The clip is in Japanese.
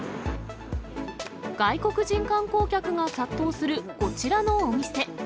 外国人観光客が殺到するこちらのお店。